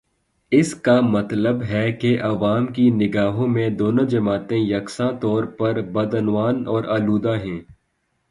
اس کا مطلب ہے کہ عوام کی نگاہوں میں دونوں جماعتیں یکساں طور پر بدعنوان اور آلودہ ہیں۔